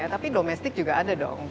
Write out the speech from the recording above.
tapi domestik juga ada dong